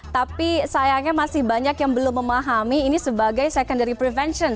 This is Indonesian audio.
tapi sayangnya masih banyak yang belum memahami ini sebagai secondary prevention